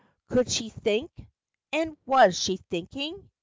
35 Could she think ? And was she thinking